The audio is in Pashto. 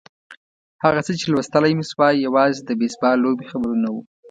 هغه څه چې لوستلای مې شوای یوازې د بېسبال لوبې خبرونه وو.